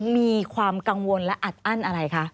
มีความกังวลและอัดอั้นอะไรคะ